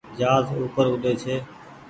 جهآز اوپر اوڏي ڇي۔